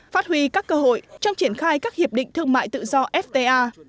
phát huy các cơ hội trong triển khai các hiệp định thương mại tự do fta